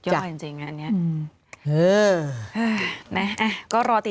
เขามาวันนี้นครตามไปกันใหญ่ไม่มี